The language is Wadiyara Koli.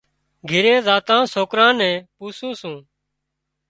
گھِري زاتان سوڪران نُون پوسُون سُون۔